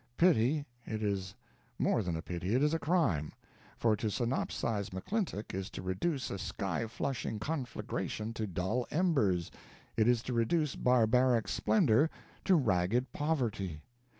Pity! it is more than a pity, it is a crime; for to synopsize McClintock is to reduce a sky flushing conflagration to dull embers, it is to reduce barbaric splendor to ragged poverty.